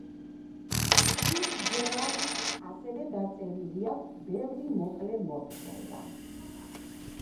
ფიცჯერალდს ასევე დაწერილი აქვს ბევრი მოკლე მოთხრობა.